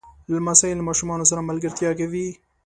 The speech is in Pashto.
لمسی له ماشومانو سره ملګرتیا کوي.